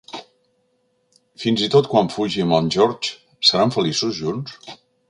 Fins i tot quan fugi amb en George, seran feliços junts?